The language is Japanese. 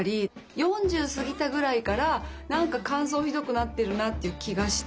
４０過ぎたぐらいから何か乾燥ひどくなってるなという気がして。